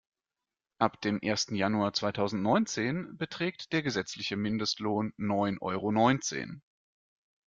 Ab dem ersten Januar zweitausendneunzehn beträgt der gesetzliche Mindestlohn neun Euro neunzehn.